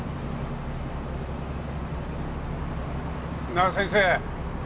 なあ先生。